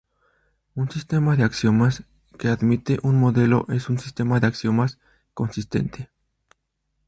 Un sistema de axiomas que admite un modelo es un sistema de axiomas consistente.